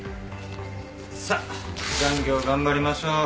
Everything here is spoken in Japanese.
さっ残業頑張りましょう。ＯＫ。